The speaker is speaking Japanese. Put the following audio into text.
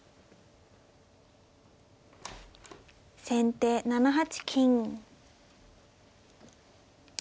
先手７八金。